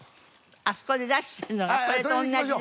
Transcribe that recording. あそこに出してるのがこれと同じだ。